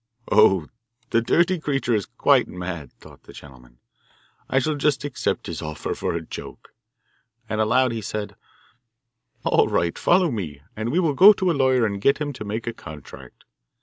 'Oh, the dirty creature is quite mad!' thought the gentleman. 'I shall just accept his offer for a joke.' And aloud he said: ' All right; follow me, and we will go to a lawyer and get him to make a contract.